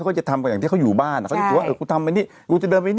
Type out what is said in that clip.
อาจจะต้องโตมาก่อนนั้น